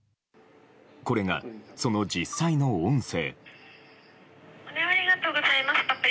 これが、その実際の音声。